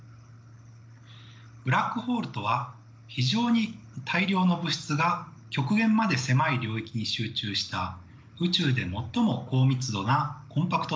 ブラックホールとは非常に大量の物質が極限まで狭い領域に集中した宇宙で最も高密度なコンパクト天体です。